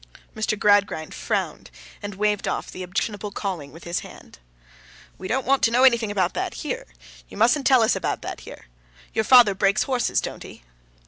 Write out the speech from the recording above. Mr. Gradgrind frowned, and waved off the objectionable calling with his hand. 'We don't want to know anything about that, here. You mustn't tell us about that, here. Your father breaks horses, don't he?